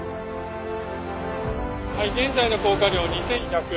はい現在の降下量２１００。